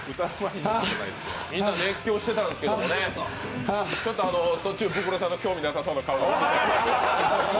熱狂してたんですけどもね、ちょっと途中、ブクロさんの興味なさそうな顔が。